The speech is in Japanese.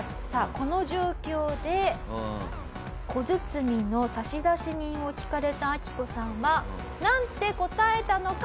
この状況で小包の差出人を聞かれたアキコさんはなんて答えたのか？